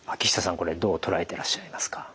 これどう捉えてらっしゃいますか。